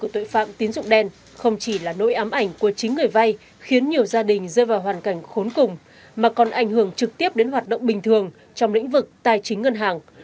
tội phạm tín dụng đen là một loại tội phạm hoạt động bình thường trong lĩnh vực tài chính ngân hàng